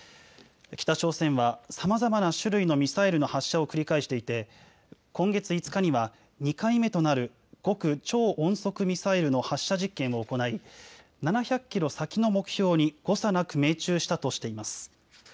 北朝鮮はさまざまな種類のミサイルの発射を繰り返していて、今月５日には、２回目となる極超音速ミサイルの発射実験を行い、７００キロ先の目標に誤差なく命中したとしています。